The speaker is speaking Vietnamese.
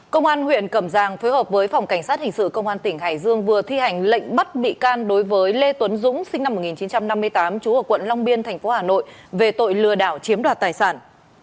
công an huyện cẩm giang phối hợp với phòng cảnh sát hình sự công an tỉnh hải dương vừa thi hành lệnh bắt bị can đối với lê tuấn dũng sinh năm một nghìn chín trăm năm mươi tám trú ở quận long biên tp hà nội về tội lừa đảo chiếm đoạt tài sản